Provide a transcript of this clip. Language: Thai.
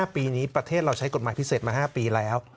ปีนี้ประเทศเราใช้กฎหมายพิเศษมา๕ปีแล้ว